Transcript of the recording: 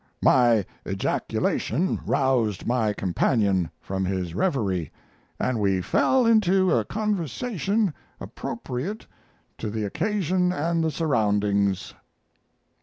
My ejaculation roused my companion from his reverie, and we fell into a conversation appropriate to the occasion and the surroundings.